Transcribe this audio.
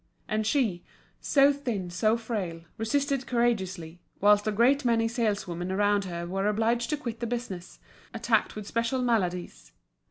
And she, so thin, so frail, resisted courageously, whilst a great many saleswomen around her were obliged to quit the business, attacked with special maladies.